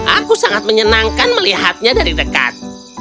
aku sangat menyenangkan melihatnya dari dekat